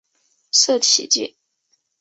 社企界